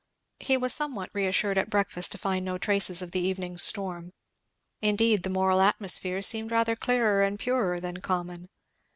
He was somewhat reassured at breakfast to find no traces of the evening's storm; indeed the moral atmosphere seemed rather clearer and purer than common.